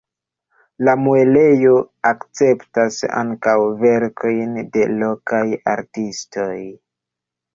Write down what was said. La muelejo akceptas ankaŭ verkojn de lokaj artistoj.